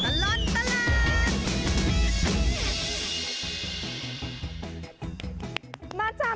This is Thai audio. ช่วงตลอดตลาด